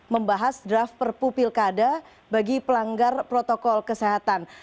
membahas draft perpu pilkada bagi pelanggar protokol kesehatan